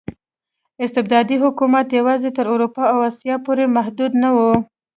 استبدادي حکومتونه یوازې تر اروپا او اسیا پورې محدود نه وو.